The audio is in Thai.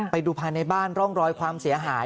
ไปดูภายในบ้านร่องรอยความเสียหาย